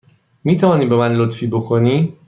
می توانی به من لطفی بکنی؟